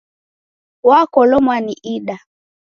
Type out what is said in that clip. Wakolomwa ni ida.